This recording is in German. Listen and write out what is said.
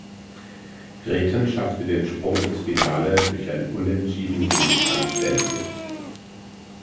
Grethen schaffte den Sprung ins Finale durch ein Unentschieden gegen Franz Stenzel.